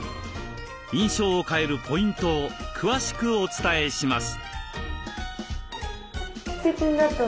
印象を変えるポイントを詳しくお伝えします。